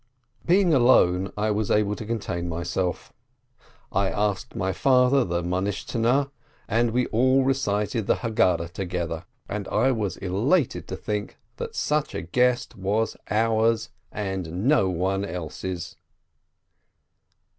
Being alone, I was able to contain myself. I asked my father the Four Questions, and we all recited the Haggadah together. And I was elated to think that such a guest was ours, and no one else's.